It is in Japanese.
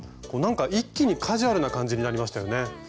こうなんか一気にカジュアルな感じになりましたよね。